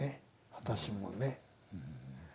私もね。